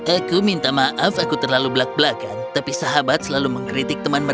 aku minta maaf aku terlalu belak belakan tapi sahabat selalu mengkritik teman mereka